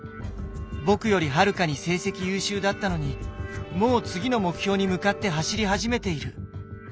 僕よりはるかに成績優秀だったのにもう次の目標に向かって走り始めている。